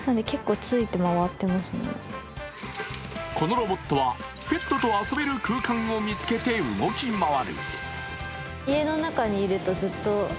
このロボットはペットと遊べる空間を見つけて動き回る。